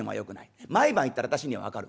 毎晩行ってる私には分かる。